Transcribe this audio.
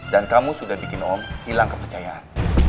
dan kamu sudah bikin om hilang kepercayaan